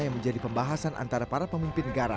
yang menjadi pembahasan antara para pemimpin negara